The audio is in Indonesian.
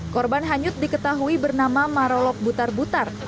korban hanyut diketahui bernama marolok butar butar